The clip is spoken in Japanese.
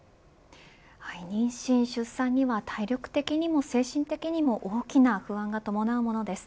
妊娠、出産には体力的にも精神的にも大きな不安が伴うものです。